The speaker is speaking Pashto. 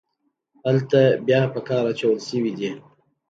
هلته بیا په کار اچول شوي دي.